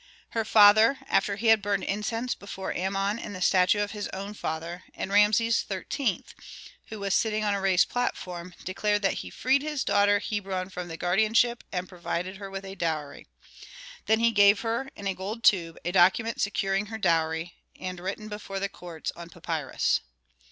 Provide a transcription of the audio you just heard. Her father, after he had burned incense before Amon and the statue of his own father, and Rameses XIII., who was sitting on a raised platform, declared that he freed his daughter Hebron from guardianship and provided her with a dowry. Then he gave her, in a gold tube, a document securing her dowry, and written before the court on papyrus.